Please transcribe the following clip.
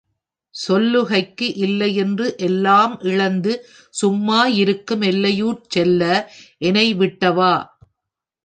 சொல்லுகைக்கு இல்லைஎன்று எல்லாம் இழந்து சும் மாஇருக்கும் எல்லையுட் செல்ல, எனைவிட்டவா!